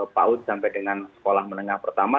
paud sampai dengan sekolah menengah pertama